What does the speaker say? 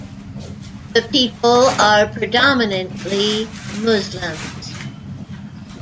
The people are predominantly Muslims.